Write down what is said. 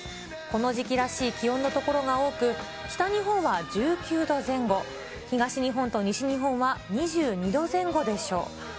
この時期らしい気温の所が多く、北日本は１９度前後、東日本と西日本は２２度前後でしょう。